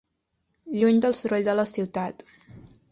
Lluny del soroll de la ciutat.